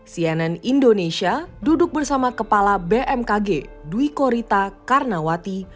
cnn indonesia duduk bersama kepala bmkg dwi korita karnawati